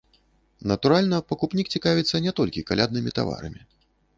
Натуральна, пакупнік цікавіцца не толькі каляднымі таварамі.